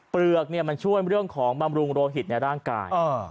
เปลือกมันช่วยเรื่องของบำรุงโรหิตในร่างกาย